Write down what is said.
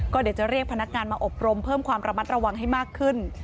เดี๋ยวจะเรียกพนักงานมาอบรมเพิ่มความระมัดระวังให้มากขึ้น